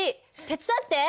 手伝って！